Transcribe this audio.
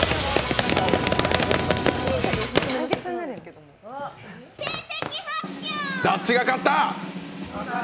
どっちが勝った？